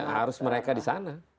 harus mereka disana